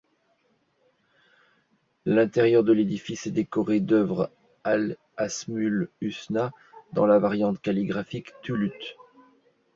L'intérieur de l'édifice est décoré d'œuvres al-Asmaul-Husna dans la variante calligraphique thuluth.